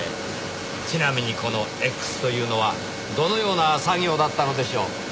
ちなみにこの「Ｘ」というのはどのような作業だったのでしょう？